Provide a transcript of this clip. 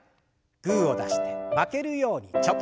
グーを出して負けるようにチョキ。